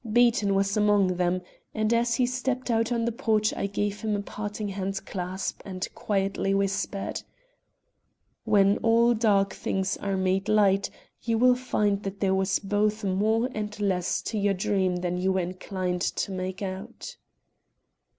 Beaton was among them, and as he stepped out on the porch I gave him a parting handclasp and quietly whispered: "When all dark things are made light, you will find that there was both more and less to your dream than you were inclined to make out."